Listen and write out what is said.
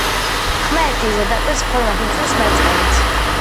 ხმელეთის ზედაპირს ფორმას უცვლის მეწყერიც